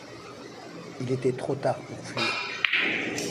Il était trop tard pour fuir.